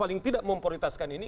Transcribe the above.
paling tidak memprioritaskan ini